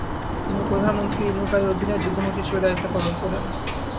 তিনি প্রধানমন্ত্রী ইনুকাই এর অধীনে যুদ্ধমন্ত্রী হিসাবে দায়িত্ব পালন করেন।